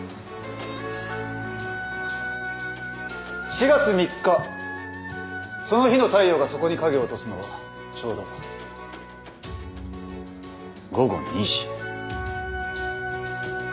４月３日その日の太陽がそこに影を落とすのはちょうど午後２時・。